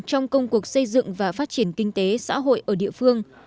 trong công cuộc xây dựng và phát triển kinh tế xã hội ở địa phương